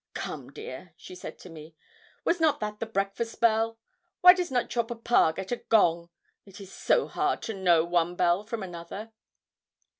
Come, dear,' she said to me. 'Was not that the breakfast bell? Why does not your papa get a gong? it is so hard to know one bell from another.'